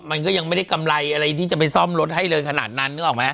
มันก็ยังไม่ได้กำไรอะไรที่จะไปซ่อมรถให้เร็วขนาดนั้นนึกออกไหม